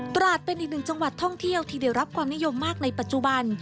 ตราดเป็นอีกหนึ่งจังหวัดท่องเที่ยวที่ได้รับความนิยมมากในปัจจุบัน